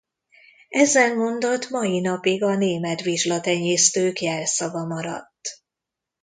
Ezen mondat mai napig a német vizsla tenyésztők jelszava maradt.